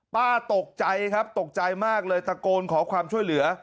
ป้าตกใจครับตกใจมากเลยตะโกนขอความช่วยเหลือ